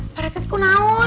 pak reti aku naun